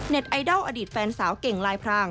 ไอดอลอดีตแฟนสาวเก่งลายพราง